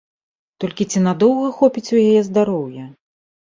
Толькі ці надоўга хопіць у яе здароўя?